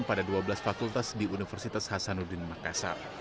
pada dua belas fakultas di universitas hasanuddin makassar